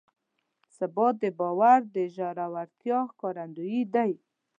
ثبات د باور د ژورتیا ښکارندوی دی.